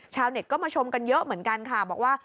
เน็ตก็มาชมกันเยอะเหมือนกันค่ะบอกว่า